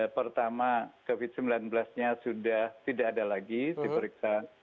pertama covid sembilan belas nya sudah tidak ada lagi diperiksa